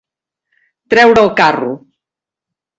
Treure el carro.